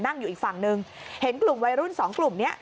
อยู่อีกฝั่งหนึ่งเห็นกลุ่มวัยรุ่นสองกลุ่มนี้